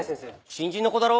新人の子だろ。